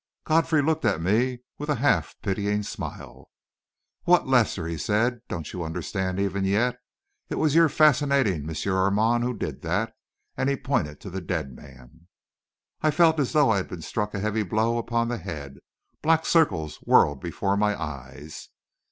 Godfrey looked at me with a half pitying smile. "What, Lester!" he said, "don't you understand, even yet? It was your fascinating M. Armand who did that," and he pointed to the dead man. I felt as though I had been struck a heavy blow upon the head; black circles whirled before my eyes....